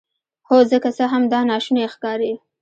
هو زه که څه هم دا ناشونی ښکاري